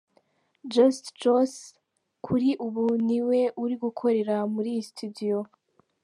Just Jose kuri ubu ni we uri gukorera muri iyi studio.